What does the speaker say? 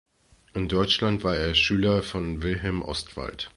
In Deutschland war er Schüler von Wilhelm Ostwald.